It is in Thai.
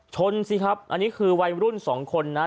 ชนสิครับอันนี้คือวัยรุ่น๒คนนั้น